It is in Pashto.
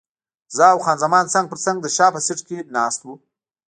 زه او خان زمان څنګ پر څنګ د شا په سیټ کې ناست وو.